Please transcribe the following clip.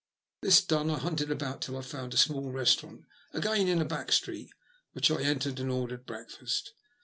This done I hunted about till I found a small restaurant, again in a back street, which I entered and ordered breakfast.